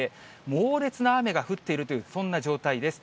猛烈な雨が降っているという、そんな状態です。